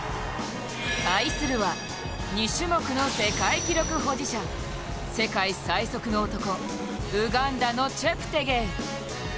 対するは、２種目の世界記録保持者世界最速の男、ウガンダのチェプテゲイ。